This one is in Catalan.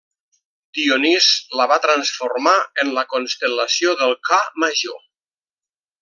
Dionís la va transformar en la constel·lació del Ca Major.